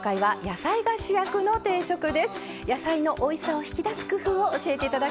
野菜のおいしさを引き出す工夫を教えて頂きます。